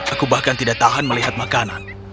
aku bahkan tidak tahan melihat makanan